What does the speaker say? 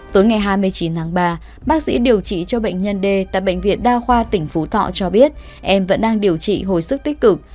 tối ngày hai mươi chín tháng ba bác sĩ điều trị cho bệnh nhân d tại bệnh viện đa khoa tỉnh phú thọ cho biết em vẫn đang điều trị hồi sức tích cực